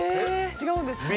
違うんですか？